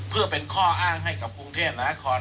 เพื่อเป็นข้ออ้างให้กับกรุงเทพนคร